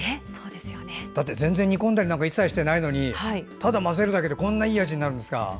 だって、全然煮込んだりしていないのにただ混ぜるだけでこんなにいい味になるんですか。